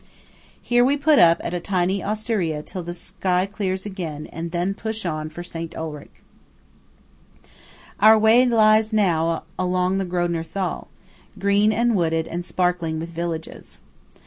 Here we put up at a tiny osteria till the sky clears again, and then push on for St. Ulrich. Our way now lies along the Grödner Thal, green and wooded and sparkling with villages.